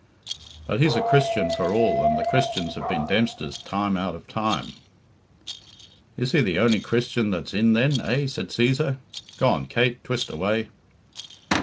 "But he's a Christian for all, and the Christians have been Dempsters time out of time " "Is he the only Christian that's in, then, eh?" said Cæsar. "Go on, Kate; twist away."